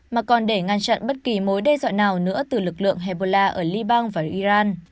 mà còn để ngăn chặn bất kỳ mối đe dọa nào nữa từ lực lượng hebola ở liban và iran